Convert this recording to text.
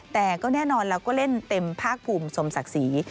แต่ก็แน่นอนเราก็เล่นเต็มภาคภูมิสมศักดิ์ศรี